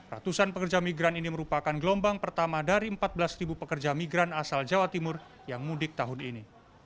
ratusan pekerja migran ini merupakan gelombang pertama dari empat belas pekerja migran asal jawa timur yang mudik tahun ini